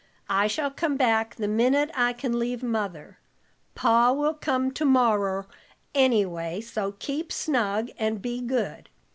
I shall come back the minute I can leave Mother. Pa will come to morrer, anyway, so keep snug and be good.